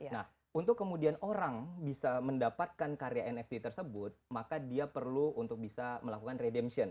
nah untuk kemudian orang bisa mendapatkan karya nft tersebut maka dia perlu untuk bisa melakukan redemption